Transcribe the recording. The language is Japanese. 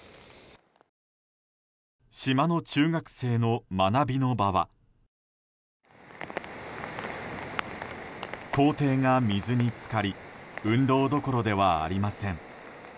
島の中学生の学びの場は校庭が水に浸かり運動どころではありません。